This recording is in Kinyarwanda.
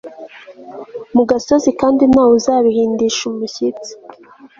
mu gasozi kandi nta wuzabihindisha umushyitsi